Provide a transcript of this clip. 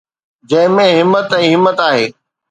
جنهن ۾ همت ۽ همت آهي.